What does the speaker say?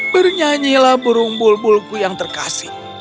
bernyanyilah burung bulbulku yang terkasih